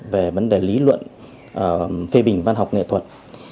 về vấn đề lý luận phê bình văn học nghệ thuật